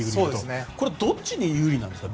これはどっちに有利なんですか？